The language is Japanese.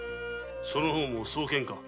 その方も壮健か？